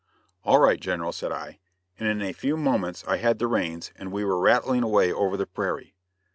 "All right, General," said I, and in a few moments I had the reins and we were rattling away over the prairie.